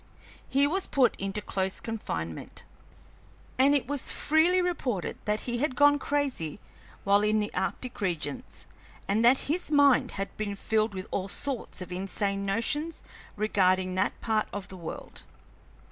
He was put into close confinement, and it was freely reported that he had gone crazy while in the arctic regions, and that his mind had been filled with all sorts of insane notions regarding that part of the world.